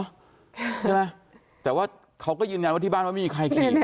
ใช่ไหมแต่ว่าเขาก็ยืนยันว่าที่บ้านว่าไม่มีใครขี่